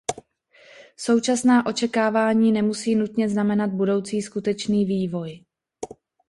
Současná očekávání nemusí nutně znamenat budoucí skutečný vývoj.